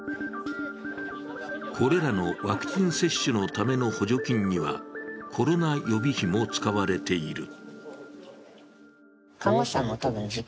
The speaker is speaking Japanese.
これらのワクチン接種のための補助金にはコロナ予備費も使われている。